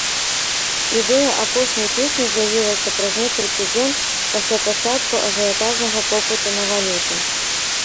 Ідэя апошняй песні з'явілася праз некалькі дзён пасля пачатку ажыятажнага попыту на валюту.